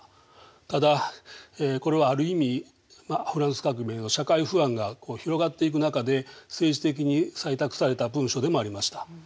ただこれはある意味フランス革命の社会不安が広がっていく中で政治的に採択された文書でもありました。